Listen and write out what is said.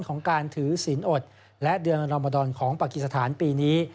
ของการถือศีลอดและเดือนรมดรของปากีสถานปีนี้